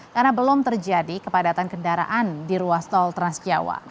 karena belum terjadi kepadatan kendaraan di ruas tol transjawa